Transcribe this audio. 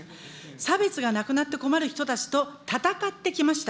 差別がなくなって困る人たちと戦ってきました。